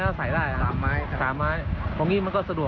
ขายประมาณร้อยตัว